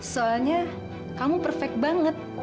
soalnya kamu perfect banget